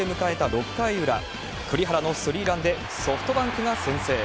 ６回裏、栗原のスリーランでソフトバンクが先制。